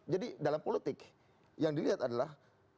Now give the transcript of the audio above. jadi dalam politik yang dilihat adalah